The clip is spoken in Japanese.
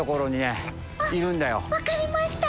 分かりました。